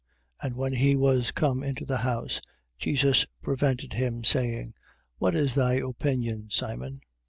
And when he was come into the house, Jesus prevented him, saying: What is thy opinion, Simon?